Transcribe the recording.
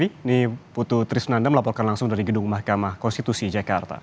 ini putu trisnanda melaporkan langsung dari gedung mahkamah konstitusi jakarta